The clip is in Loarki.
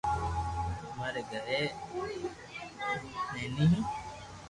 امري گھري تيوي ھو